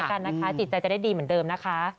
รายงาน